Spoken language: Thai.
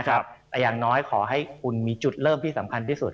แต่อย่างน้อยขอให้คุณมีจุดเริ่มที่สำคัญที่สุด